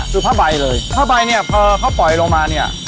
คือผ้าใบเลยผ้าใบเนี่ยพอเขาปล่อยลงมาเนี่ย